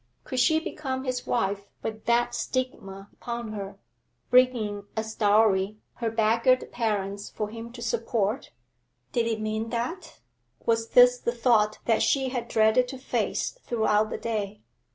Could she become his wife with that stigma upon her, bringing as dowry her beggared parents for him to support? Did it mean that? Was this the thought that she had dreaded to face throughout the day?